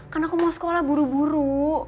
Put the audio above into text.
karena aku mau sekolah buru buru